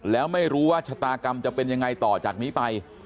แล้วไม่รู้ว่าชะตากรรมจะเป็นยังไงต่อจากนี้ไป